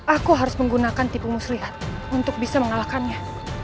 aku harus menggunakan tipu muslihat untuk bisa mengalahkannya